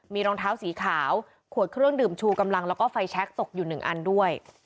มีรองเท้าสีขาวขวดเครื่องดื่มชูกำลังแล้วก็ไฟแชคตกอยู่หนึ่งอันด้วย